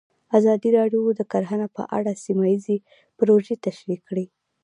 ازادي راډیو د کرهنه په اړه سیمه ییزې پروژې تشریح کړې.